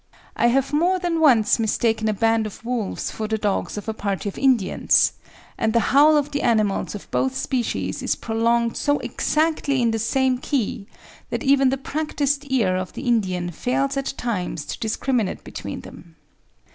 I have more than once mistaken a band of wolves for the dogs of a party of Indians; and the howl of the animals of both species is prolonged so exactly in the same key that even the practised ear of the Indian fails at times to discriminate between them."